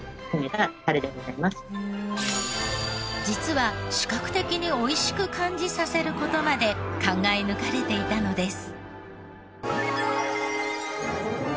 実は視覚的に美味しく感じさせる事まで考え抜かれていたのです。